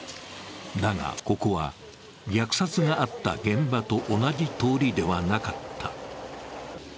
だが、ここは虐殺があった現場と同じ通りではなかった。